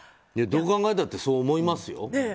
どう考えたってそう思いますよ。